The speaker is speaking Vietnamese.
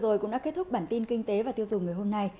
rồi cũng đã kết thúc bản tin kinh tế và tiêu dùng ngày hôm nay